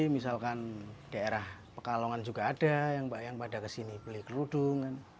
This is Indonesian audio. misalkan daerah pekalongan juga ada yang pada kesini beli kerudung